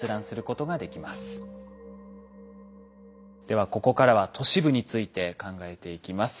ではここからは都市部について考えていきます。